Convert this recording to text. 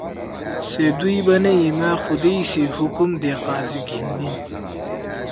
سے دُوئی بنَئی: ”مأ خُدئی سی حُکم دے قاضی گھیِن نیِن۔